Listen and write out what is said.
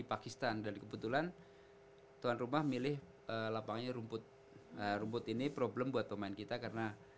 pakistan dan kebetulan tuan rumah milih lapangannya rumput rumput ini problem buat pemain kita karena